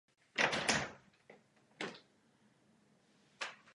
Sparks jejich auto opravil a malé Jackie daroval své psí známky.